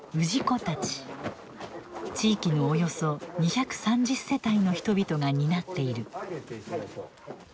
地域のおよそ２３０世帯の人々が担っている。